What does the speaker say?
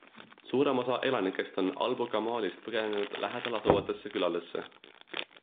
Suurem osa elanikest on Albu Kamalist põgenenud lähedalasuvatesse küladesse.